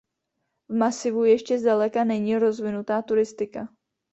V masivu ještě zdaleka není rozvinutá turistika.